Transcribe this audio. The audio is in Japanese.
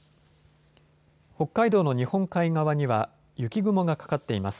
北海道の日本海側には雪雲がかかっています。